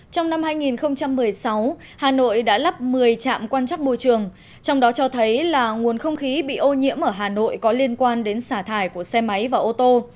trong năm hai nghìn một mươi sáu hà nội đã lắp một mươi trạm quan trắc môi trường trong đó cho thấy là nguồn không khí bị ô nhiễm ở hà nội có liên quan đến xả thải của xe máy và ô tô